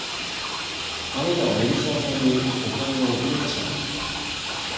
あなたは海老沢さんにお金を送りましたか？